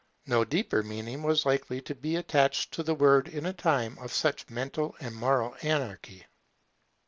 No deeper meaning was likely to be attached to the word in a time of such mental and moral anarchy.